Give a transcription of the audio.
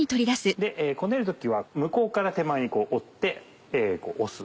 こねる時は向こうから手前に折って押す。